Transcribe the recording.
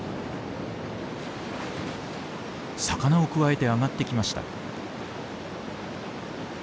魚をくわえて上がってきました。